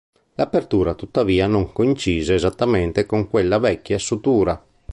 L'apertura tuttavia non coincise esattamente con quella vecchia sutura.